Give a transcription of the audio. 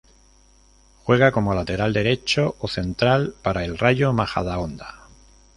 Juega como lateral derecho o central, para el Rayo Majadahonda.